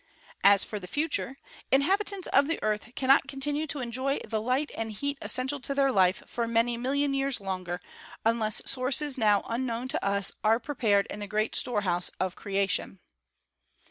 "As for the future, ... inhabitants of the Earth cannot con tinue to enjoy the light and heat essential to their life for many million years longer unless sources now un known to us are prepared in the great storehouse of crea tion."